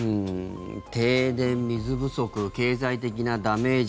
停電、水不足経済的なダメージ